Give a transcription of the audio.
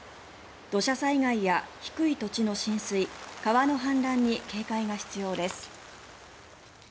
土砂災害や低い土地の浸水川の氾濫に警戒が必要です。